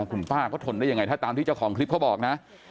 คุณป้าเขาทนได้ยังไงถ้าตามที่เจ้าของคลิปเขาบอกนะ